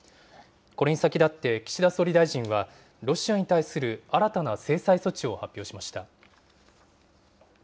これに先立って、岸田総理大臣はロシアに対する新たな制裁措置を発表しました。